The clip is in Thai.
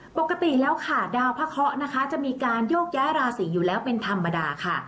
ปกติแล้วค่ะดาวพระเคาะนะคะจะมีการโยกย้ายราศีอยู่แล้วเป็นธรรมดาค่ะ